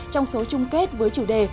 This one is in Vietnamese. trong số chung kết với chủ đề